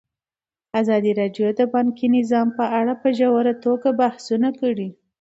ازادي راډیو د بانکي نظام په اړه په ژوره توګه بحثونه کړي.